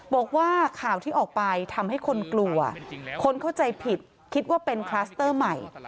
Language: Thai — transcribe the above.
บอกว่าข่าวที่ออกไปทำให้คนกลัวคนเข้าใจผิดคิดว่าเป็นคลัสเตอร์ใหม่